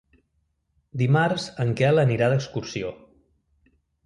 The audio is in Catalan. Dimarts en Quel anirà d'excursió.